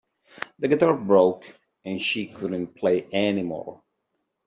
The guitar broke and she couldn't play anymore.